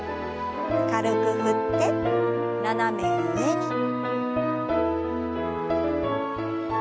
軽く振って斜め上に。